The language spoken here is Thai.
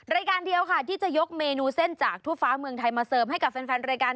รายการเดียวค่ะที่จะยกเมนูเส้นจากทั่วฟ้าเมืองไทยมาเสิร์ฟให้กับแฟนรายการ